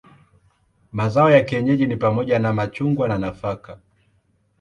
Mazao ya kienyeji ni pamoja na machungwa na nafaka.